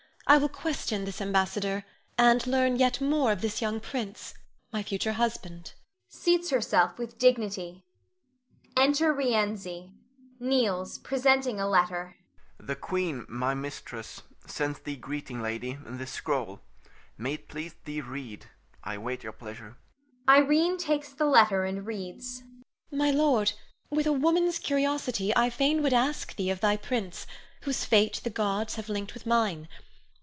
I will question this ambassador, and learn yet more of this young prince, my future husband [seats herself with dignity]. [Enter Rienzi. Kneels, presenting a letter. Rienzi. The queen, my mistress, sends thee greeting, lady, and this scroll. May it please thee, read. I await your pleasure. Irene [takes the letter and reads]. My lord, with a woman's curiosity, I fain would ask thee of thy prince, whose fate the gods have linked with mine.